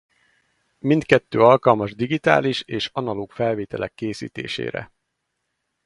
Mindkettő alkalmas digitális és analóg felvételek készítésére.